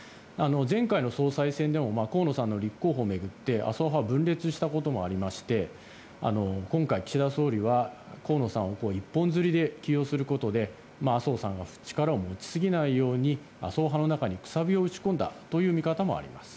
前回の総裁選でも河野さんの立候補を巡って麻生派は分裂したこともありまして今回、岸田総理は河野さんを一本釣りで起用することで麻生さんが力を持ち過ぎないように麻生派の中にくさびを打ち込んだという見方もあります。